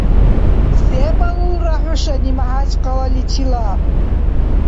Се балулра нушани МяхӀякъалаличила?